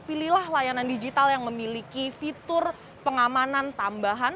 pilihlah layanan digital yang memiliki fitur pengamanan tambahan